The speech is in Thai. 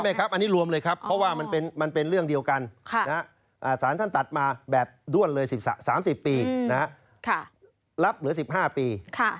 ครับอันนี้รวมเลยครับเพราะว่ามันเป็นเรื่องเดียวกันสารท่านตัดมาแบบด้วนเลย๓๐ปีรับเหลือ๑๕ปี